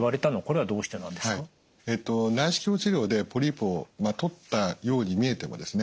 はい内視鏡治療でポリープを取ったように見えてもですね